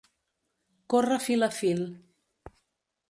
Córrer fil a fil.